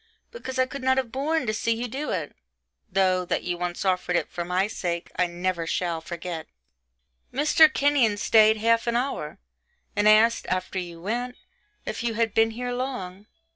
because I could not have borne to see you do it; though, that you once offered it for my sake, I never shall forget. Mr. Kenyon stayed half an hour, and asked, after you went, if you had been here long.